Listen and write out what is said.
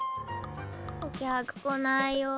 お客来ないよ。